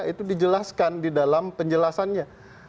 itu dijelaskan di dalam penjelasannya